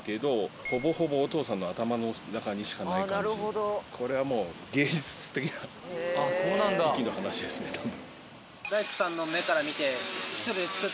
ほぼほぼこれはもう芸術的な域の話ですね多分。